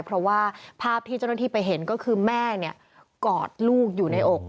เพราะว่าภาพที่เจ้าหน้าที่ไปเห็นก็คือแม่กอดลูกอยู่ในอก